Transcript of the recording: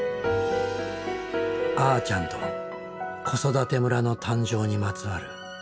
あーちゃんと子育て村の誕生にまつわる物語。